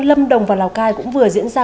lâm đồng và lào cai cũng vừa diễn ra